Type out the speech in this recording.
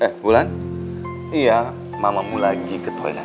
eh bulan iya mamamu lagi ke toilet